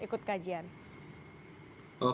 kebetulan di mahasiswa kelompok mahasiswa indonesia